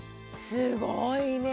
すごいね。